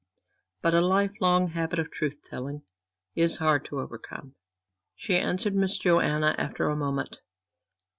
But a life long habit of truth telling is hard to overcome. She answered Miss Joanna after a moment.